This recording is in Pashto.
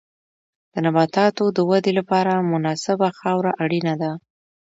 د نباتاتو د ودې لپاره مناسبه خاوره اړینه ده.